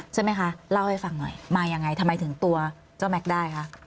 ใช่ไหมคะเล่าให้ฟังหน่อยมายังไงทำไมถึงตัวเจ้าแม็กซ์ได้คะ